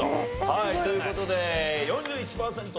はいという事で４１パーセントと。